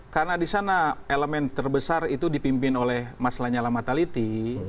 karena di sana elemen terbesar itu dipimpin oleh mas lanyala mataliti